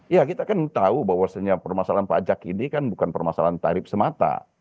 ya kita kan tahu bahwasannya permasalahan pajak ini kan bukan permasalahan tarif semata